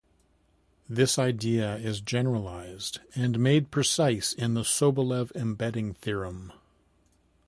This idea is generalized and made precise in the Sobolev embedding theorem.